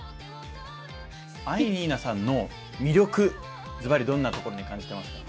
藍にいなさんの魅力、ずばりどんなところに感じていますか？